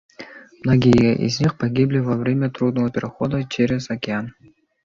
Многие из них погибли во время трудного перехода через океан.